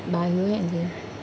bà ấy hứa em gì